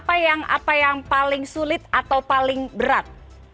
apa yang paling sulit atau paling berat